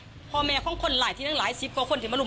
ช่วยเร่งจับตัวคนร้ายให้ได้โดยเร่ง